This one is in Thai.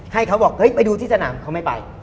เขาบอกเฮ้ยไปดูที่สนามเขาไม่ไป